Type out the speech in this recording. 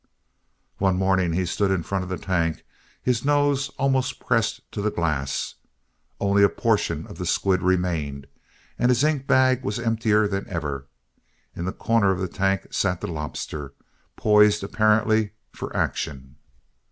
One morning he stood in front of the tank, his nose almost pressed to the glass. Only a portion of the squid remained, and his ink bag was emptier than ever. In the corner of the tank sat the lobster, poised apparently for action.